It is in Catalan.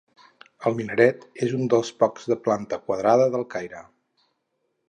El minaret és un dels pocs de planta quadrada del Caire.